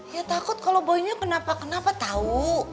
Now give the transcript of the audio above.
ya takut kalo boynya kenapa kenapa tau